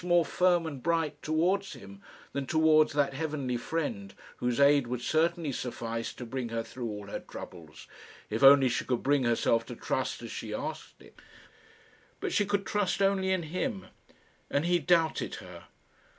more firm and bright towards him than towards that heavenly Friend whose aid would certainly suffice to bring her through all her troubles, if only she could bring herself to trust as she asked it. But she could trust only in him, and he doubted her!